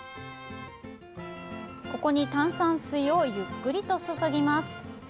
ここに炭酸水をゆっくりと注ぎます。